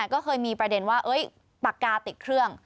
ก็เคยมีประเด็นว่าปากกาติดเครื่อง